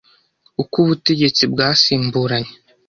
uko ubutegetsi bwasimburanye